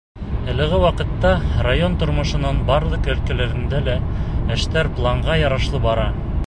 Әлеге ваҡытта район тормошоноң барлыҡ өлкәләрендә лә эштәр планға ярашлы бара.